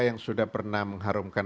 yang sudah pernah mengharumkan